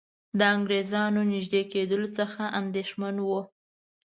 د انګریزانو نیژدې کېدلو څخه اندېښمن وو.